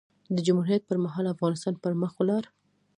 د جمهوریت پر مهال؛ افغانستان پر مخ ولاړ.